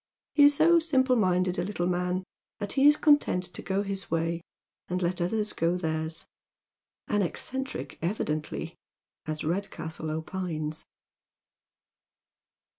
He is so simple minded a little man that he is content to go his way and let other people go theirs. Au eccentric, evidently, as Redcastle opines.